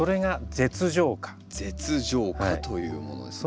舌状花というものですね。